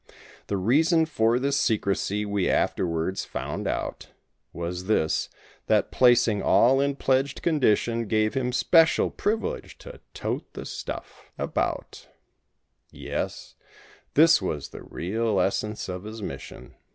The reason for this secrecy, we afterwards found out. Was this: that placing all in pledged condition Gave him the special privilege to "tote" the stuff about; Yes—this was the real essence of his mission.